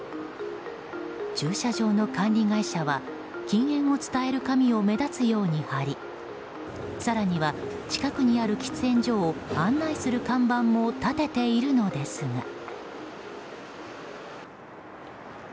駐車場の管理会社は禁煙を伝える紙を目立つように貼り更には近くにある喫煙所を案内する看板も立てているのですが。